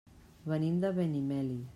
Venim de Benimeli.